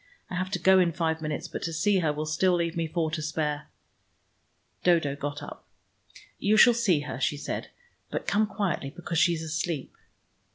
I have to go in five minutes, but to see her will still leave me four to spare." Dodo got up. "You shall see her," she said. "But come quietly, because she is asleep."